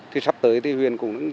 thì sắp tới thì huyện cũng chỉ đào